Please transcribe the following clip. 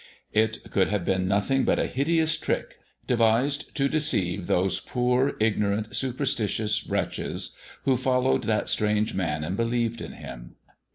It could have been nothing but a hideous trick, devised to deceive those poor, ignorant, superstitious wretches who followed that strange Man and believed in Him.